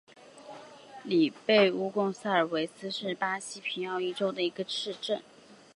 里贝鲁贡萨尔维斯是巴西皮奥伊州的一个市镇。